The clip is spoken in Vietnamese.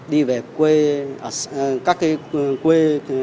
đi về quê các cái quê